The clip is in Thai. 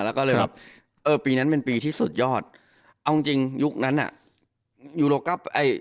แล้วก็เลยแบบเออปีนั้นเป็นปีที่สุดยอดเอาจริงจริงยุคนั้นอ่ะยูโรกัปไอ้